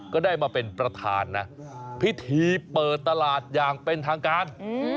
ก็ได้มาเป็นประธานนะพิธีเปิดตลาดอย่างเป็นทางการ